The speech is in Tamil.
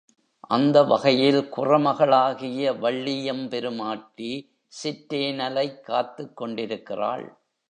அந்த வகையில் குறமகளாகிய வள்ளியெம்பெருமாட்டி சிற்றேனலைக் காத்துக் கொண்டிருக்கிறாள்.